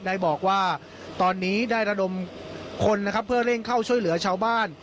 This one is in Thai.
ได้บอกว่าตอนนี้ได้ระดมคนนะครับเพื่อเร่งเข้าช่วยเหลือชาวบ้าน